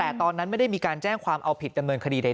แต่ตอนนั้นไม่ได้มีการแจ้งความเอาผิดดำเนินคดีใด